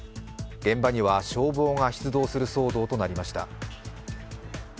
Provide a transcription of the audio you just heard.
現場消防が出動する騒動となりました。